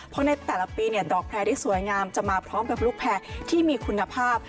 เพราะในแต่ละปีเนี่ยดอกแพร่ได้สวยงามจะมาพร้อมกับลูกแพร่ที่มีคุณภาพ